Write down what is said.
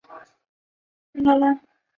这也是不变质量也被称作静质量的缘故。